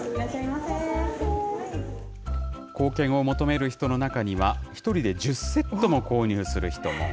硬券を求める人の中には、１人で１０セットも購入する人も。